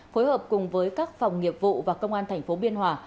phối hợp cùng với các phòng nghiệp vụ và công an thành phố biên hòa